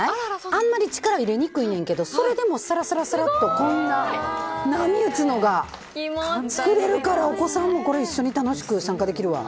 あまり力入れにくいねんけどそれでもさらさらっとこんな波打つのが作れるからお子さんも一緒に楽しく参加できるわ。